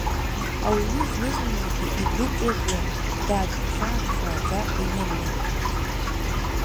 Ауаҩы зны-зынлагьы игәы ҿыӷьлароуп, дад, хьаак хааӡа инырлароуп.